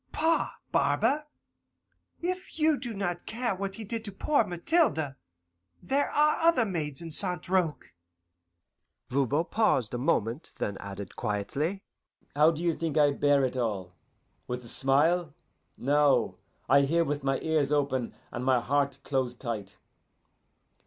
Pah, barber, if you do not care what he did to the poor Mathilde, there are other maids in St. Roch.'" Voban paused a moment then added quietly, "How do you think I bear it all? With a smile? No, I hear with my ears open and my heart close tight.